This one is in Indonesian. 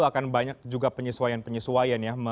akan banyak juga penyesuaian penyesuaian ya